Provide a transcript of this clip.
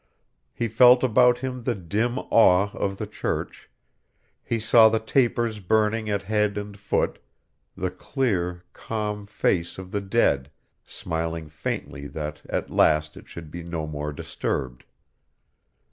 He felt about him the dim awe of the church, he saw the tapers burning at head and foot, the clear, calm face of the dead, smiling faintly that at last it should be no more disturbed.